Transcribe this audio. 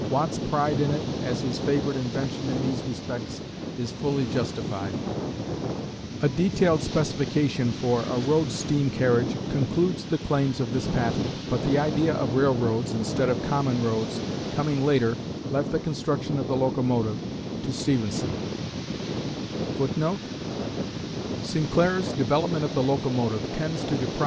Watt's pride in it as his favorite invention in these respects is fully justified. A detailed specification for a road steam carriage concludes the claims of this patent, but the idea of railroads, instead of common roads, coming later left the construction of the locomotive to Stephenson.